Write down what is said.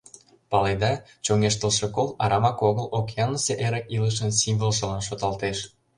Паледа, чоҥештылше кол — арамак огыл океанысе эрык илышын символжылан шотлалтеш.